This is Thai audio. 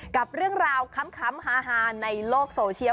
กับเรื่องราวค้ำฮาในโลกโซเชียล